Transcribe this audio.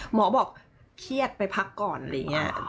หมอบอกเครียดไปพักก่อนอะไรอย่างนี้